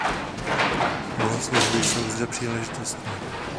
Bohoslužby jsou zde příležitostně.